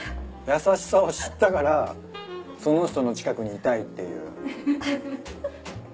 優しさを知ったからその人の近くにいたいっていう。